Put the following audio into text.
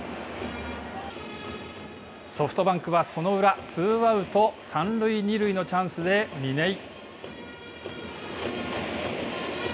ソフトバンクは、その裏。ツーアウト、三塁二塁のチャンスで嶺井。